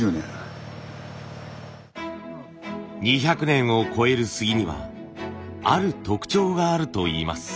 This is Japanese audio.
２００年を超える杉にはある特徴があるといいます。